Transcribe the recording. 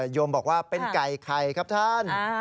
โยมบอกว่าเป็นไก่ไข่ครับท่าน